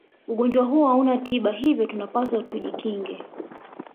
ugonjwa huu hauna tiba hivyo yatupasa tujikinge